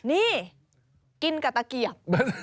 นี่กินกับตะเกียบ